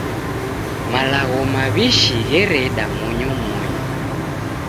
Malagho maw'ishi ghereda monyomonyo.